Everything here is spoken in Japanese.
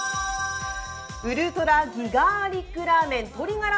ウルトラギガーリックらーめん鶏ガラ